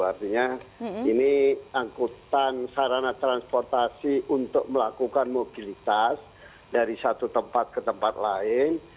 artinya ini angkutan sarana transportasi untuk melakukan mobilitas dari satu tempat ke tempat lain